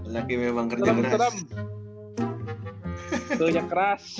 laki memang kerja keras